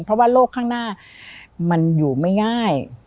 เพราะว่าโลกข้างหน้ามันอยู่ไม่ง่าย